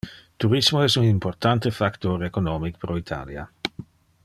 Tourismo es un importante factor economic pro Italia.